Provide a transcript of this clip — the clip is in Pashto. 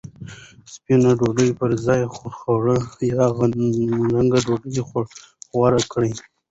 سپینه ډوډۍ پر ځای خړه یا غنمرنګه ډوډۍ غوره کړئ.